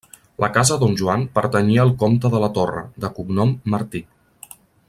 La Casa Don Joan pertanyia al Comte de la Torre, de cognom Martí.